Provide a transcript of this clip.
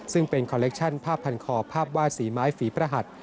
ซึ่งเป็นคอเล็กชั่นผ้าพันคอผ้าวาดสีไม้ฝีพระหัท